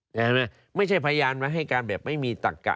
ใช่ไหมไม่ใช่พยานมาให้การแบบไม่มีตักกะ